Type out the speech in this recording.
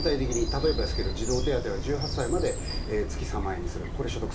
例えば、児童手当は１８歳まで月３万円にする。